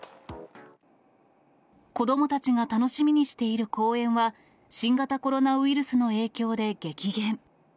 子どもたちが楽しみにしている公演は、新型コロナウイルスの影響で激減。